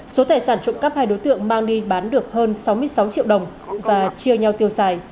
số tài sản trộm cắp hai đối tượng mang đi bán được hơn sáu mươi sáu triệu đồng và chia nhau tiêu xài